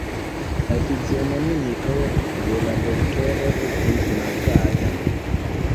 La fizionomio de la doktoro estis malgaja.